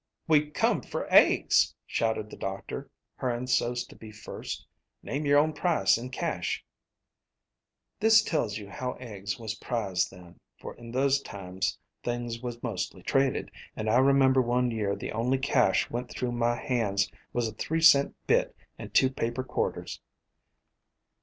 'We 've come fer eggs!' shouted the doctor, hurryin' so 's to be first. ' Name yer own price in cash !* "This tells you how eggs was prized then, for in those times things was mostly traded, and I re member one year the only cash went through my hands was a three cent bit and two paper quarters.